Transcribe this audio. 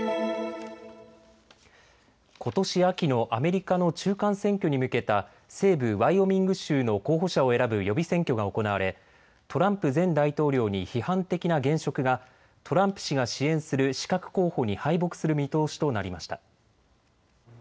ことし秋のアメリカの中間選挙に向けた西部ワイオミング州の候補者を選ぶ予備選挙が行われトランプ前大統領に批判的な現職がトランプ氏が支援する刺客候補に敗北する見通しとなりました。